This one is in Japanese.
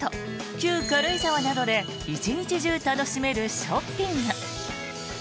旧軽井沢などで一日中楽しめるショッピング。